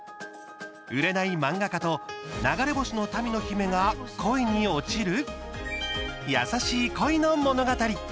売れない漫画家と流れ星の民の姫が恋に落ちる優しい恋の物語。